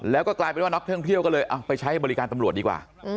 แล้วก็กลายเป็นว่านักท่องเที่ยวก็เลยเอาไปใช้บริการตำรวจดีกว่า